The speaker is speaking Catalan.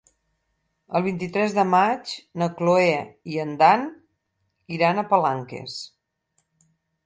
El vint-i-tres de maig na Cloè i en Dan iran a Palanques.